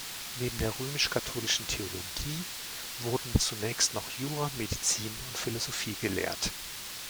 Neben der römisch-katholischen Theologie wurden zunächst noch Jura, Medizin und Philosophie gelehrt.